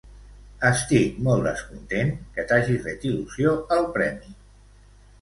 Estic molt descontent que t'hagi fet il·lusió el premi.